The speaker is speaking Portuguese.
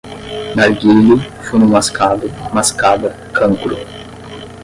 narguilé, fumo mascado, mascada, cancro